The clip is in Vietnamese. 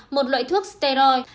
một loại thuốc steroid